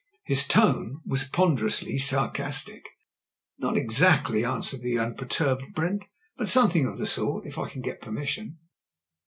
His tone was ponderously sarcastic. "Not exactly," answered the unperturbed Brent, *T)ut something of the sort — ^if I can get permission."